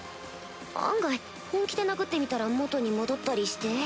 案外本気で殴ってみたら元に戻ったりして？